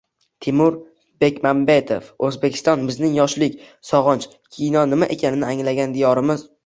Timur Bekmambetov: O‘zbekiston bizning yoshlik, sog‘inch, kino nima ekanini anglagan diyorimiz!